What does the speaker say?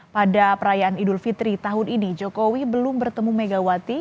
pada perayaan idul fitri tahun ini jokowi belum bertemu megawati